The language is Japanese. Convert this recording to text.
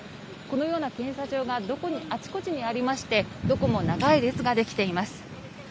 このような検査場があちこちにありまして、どこも長い列ができています。